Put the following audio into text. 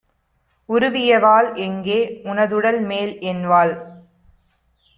உருவியவாள் எங்கே? உனதுடல்மேல் என்வாள்